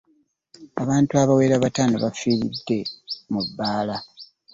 Abantu abawera bataano bafiridde mu bbaala.